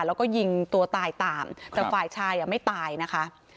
แล้วก็ยิงตัวตายตามแต่ฝ่ายชายอ่ะไม่ตายนะคะ